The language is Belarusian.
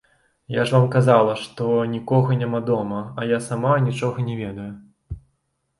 Я ж вам казала, што нікога няма дома, а я сама нічога не ведаю.